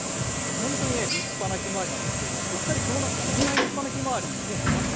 本当にね、立派なひまわりなんですけれども、お２人、この夏、こんなに立派なひまわり、もう見ました？